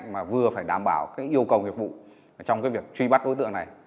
mà vừa phải đảm bảo cái yêu cầu nghiệp vụ trong cái việc truy bắt đối tượng này